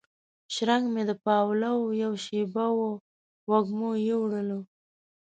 شرنګ مې د پاولو یوه شیبه وه وږمو یووړله